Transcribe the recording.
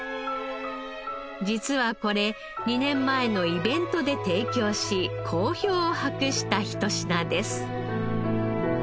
実はこれ２年前のイベントで提供し好評を博したひと品です。